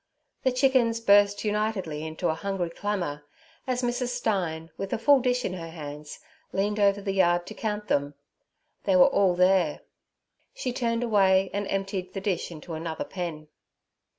The chickens burst unitedly into a hungry clamour, as Mrs. Stein, with the full dish in her hands, leant over the yard to count them. They were all there. She turned away, and emptied the dish into another pen.